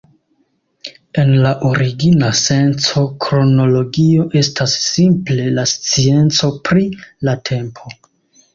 En la origina senco kronologio estas simple la scienco pri la tempo.